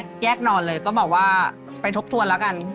แยกนอนเลยก็บอกว่าไปทบทวนแล้วกัน